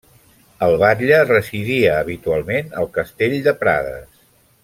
El batlle residia habitualment al castell de Prades.